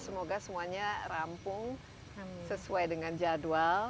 semoga semuanya rampung sesuai dengan jadwal